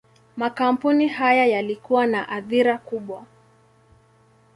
Makampuni haya yalikuwa na athira kubwa.